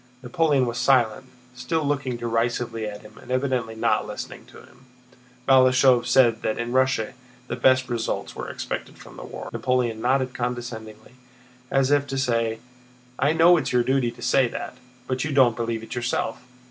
Napoleon was silent, still looking derisively at him and evidently not listening to him. Balashëv said that in Russia the best results were expected from the war. Napoleon nodded condescendingly, as if to say, "I know it's your duty to say that, but you don't believe it yourself.